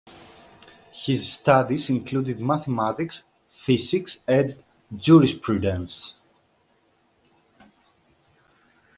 His studies included mathematics, physics, and jurisprudence.